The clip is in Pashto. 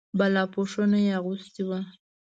بالاپوشونه یې اغوستي وو.